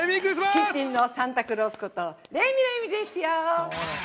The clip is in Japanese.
キッチンのサンタクロースことレミレミですよ。